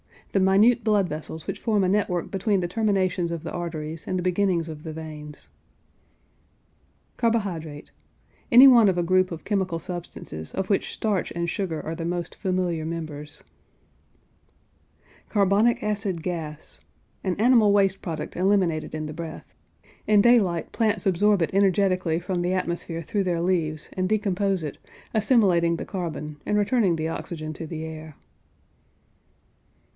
The minute blood vessels which form a network between the terminations of the arteries and the beginnings of the veins. CARBOHYDRATE. Any one of a group of chemical substances of which starch and sugar are the most familiar members. CARBONIC ACID GAS. An animal waste product eliminated in the breath. In daylight plants absorb it energetically from the atmosphere through their leaves, and decompose it, assimilating the carbon, and returning the oxygen to the air.